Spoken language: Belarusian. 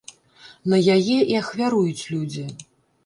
На яе і ахвяруюць людзі.